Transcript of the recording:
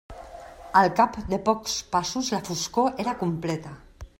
Al cap de pocs passos la foscor era completa.